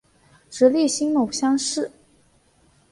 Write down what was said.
直隶辛卯乡试。